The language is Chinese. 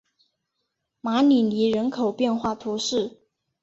马里尼人口变化图示